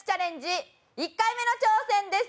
１回目の挑戦です。